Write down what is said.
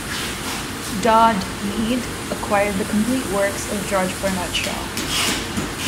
Dodd, Mead acquired the complete works of George Bernard Shaw.